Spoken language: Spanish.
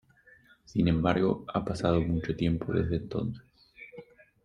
Sin embargo, ha pasado mucho tiempo desde entonces.